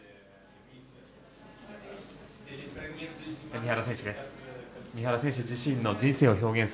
三原選手です。